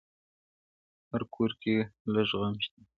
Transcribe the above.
هر کور کي لږ غم شته-